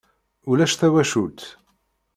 Ulac tawacult.